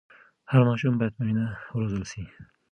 هر ماشوم باید په مینه وروزل سي.